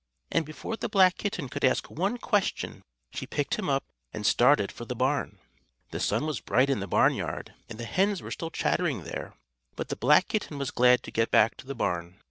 and before the black kitten could ask one question she picked him up and started for the barn. The sun was bright in the barnyard and the hens were still chattering there; but the black kitten was glad to get back to the barn.